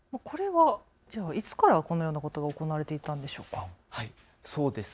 これはいつからこのようなことが行われていたんでしょうか。